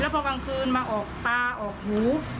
พอกลางคืนมาออกตาออกหู